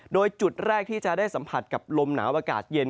โดยจุดแรกที่จะได้สัมผัสกับลมหนาวอากาศเย็น